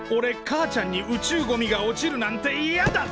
母ちゃんに宇宙ゴミが落ちるなんてやだ！